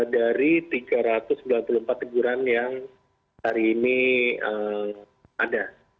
dari tiga ratus sembilan puluh empat teguran yang hari ini ada